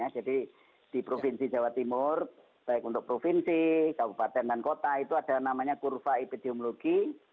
jadi di provinsi jawa timur baik untuk provinsi kabupaten dan kota itu ada namanya kurva epidemiologi